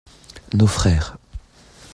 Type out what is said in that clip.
Nos frères.